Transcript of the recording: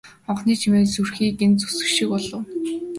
Хонхны чимээ зүрхийг нь зүсэх шиг болов.